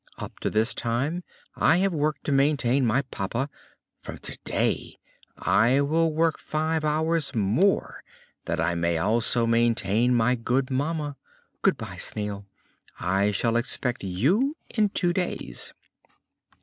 Up to this time I have worked to maintain my papa; from today I will work five hours more that I may also maintain my good mamma. Good bye, Snail, I shall expect you in two days."